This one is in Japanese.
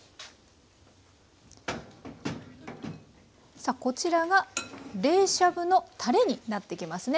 さあこちらが冷しゃぶのたれになってきますね。